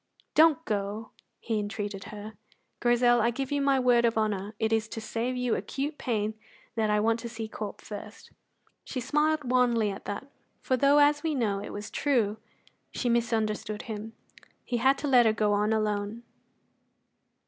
"Don't go," he entreated her. "Grizel, I give you my word of honour it is to save you acute pain that I want to see Corp first." She smiled wanly at that, for though, as we know, it was true, she misunderstood him. He had to let her go on alone.